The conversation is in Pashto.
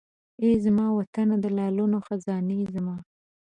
ای زما وطنه د لعلونو خزانې زما!